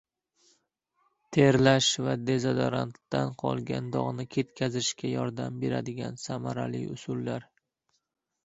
Terlash va dezodorantdan qolgan dog‘ni ketkazishga yordam beradigan samarali usullar